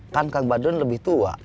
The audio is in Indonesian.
kan kang badron lebih tua